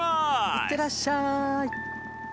いってらっしゃい。